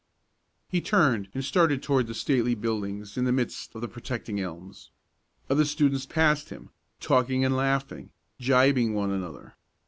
He turned and started toward the stately buildings in the midst of the protecting elms. Other students passed him, talking and laughing, gibing one another.